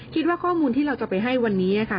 คิดว่าข้อมูลที่เราจะไปให้วันนี้นะคะ